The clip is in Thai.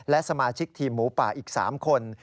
และสมาชิกทีมหมูป่าอีก๓คน